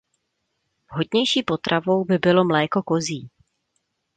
Vhodnější potravou by bylo mléko kozí.